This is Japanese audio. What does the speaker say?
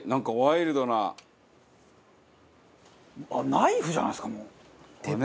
ナイフじゃないですかもう。